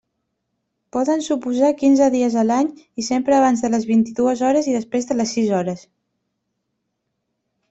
Poden suposar quinze dies a l'any i sempre abans de les vint-i-dues hores i després de les sis hores.